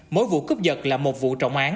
mỗi vụ cướp giật là một vụ